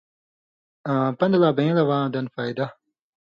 آں پن٘دہۡ لا بېن٘لہ واں دن فَیدہ۔